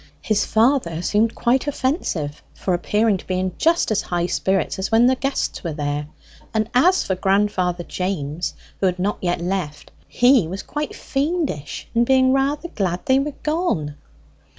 His father seemed quite offensive for appearing to be in just as high spirits as when the guests were there; and as for grandfather James (who had not yet left), he was quite fiendish in being rather glad they were gone.